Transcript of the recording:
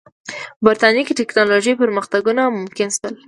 په برېټانیا کې ټکنالوژیکي پرمختګونه ممکن شول.